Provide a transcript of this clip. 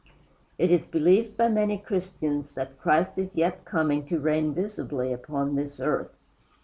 It is believed by many Christians that Christ is yet coming to reign visibly upon this earth.